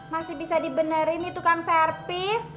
masih bisa dibenerin nih tukang servis